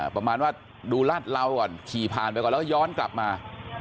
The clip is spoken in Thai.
ประมาณว่าดูลาดเหลาก่อนขี่ผ่านไปก่อนแล้วก็ย้อนกลับมา